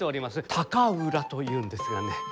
高浦というんですがね。